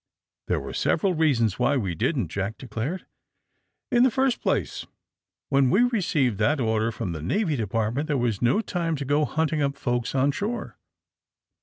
''There were several reasons why we didn't,'^ Jack declared. "In the first place, when we received that order from the Navy Department there was no time to go hunting up folks on shore.